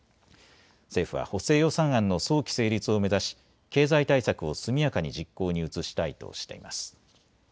政府は補正予算案の早期成立を目指し経済対策を速やかに実行に移したいとしています。